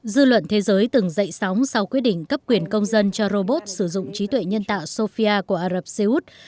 dư luận thế giới từng dậy sóng sau quyết định cấp quyền công dân cho robot sử dụng trí tuệ nhân tạo sofia của ả rập xê út